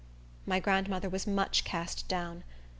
My grandmother was much cast down.